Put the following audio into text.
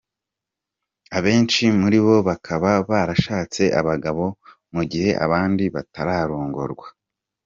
Abenshi muri bo bakaba barashatse abagabo, mu gihe abandi batararongorwa.